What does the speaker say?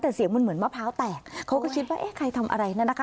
แต่เสียงมันเหมือนมะพร้าวแตกเขาก็คิดว่าเอ๊ะใครทำอะไรนั่นนะคะ